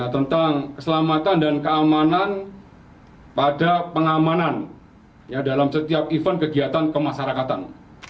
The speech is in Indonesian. tentang keselamatan dan keamanan pada pengamanan dalam setiap event kegiatan kemasyarakatan